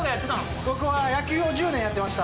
僕は野球を１０年やってました。